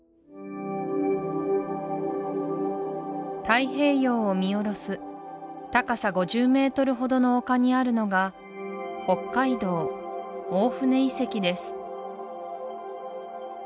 太平洋を見下ろす高さ５０ｍほどの丘にあるのが北海道大船遺跡です